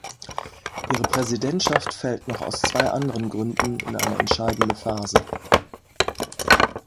Ihre Präsidentschaft fällt noch aus zwei anderen Gründen in eine entscheidende Phase.